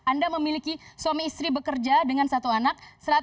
anda memiliki suami istri bekerja dengan satu anak